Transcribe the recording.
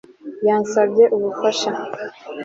yansabye ubufasha